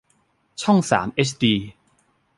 ช่องสามเอชดี